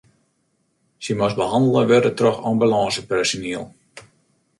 Sy moast behannele wurde troch ambulânsepersoniel.